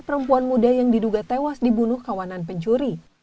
perempuan muda yang diduga tewas dibunuh kawanan pencuri